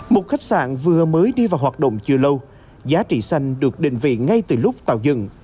một khách sạn vừa mới đi vào hoạt động chưa lâu giá trị xanh được định vị ngay từ lúc tạo dựng